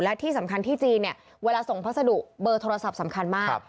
และที่สำคัญที่จีนเนี่ยเวลาส่งพัสดุเบอร์โทรศัพท์สำคัญมาก